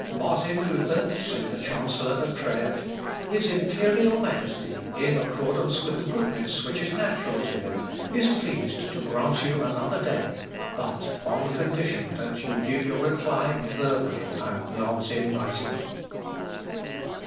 "Martin Luther," said the chancellor of Trèves, "his imperial Majesty, in accordance with the goodness which is natural to him, is pleased to grant you another day, but on condition that you give your reply verbally and not in writing."